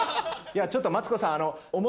ちょっとマツコさん。